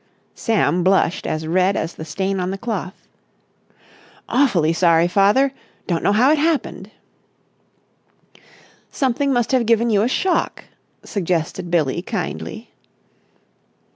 Sam blushed as red as the stain on the cloth. "Awfully sorry, father! Don't know how it happened." "Something must have given you a shock," suggested Billie kindly.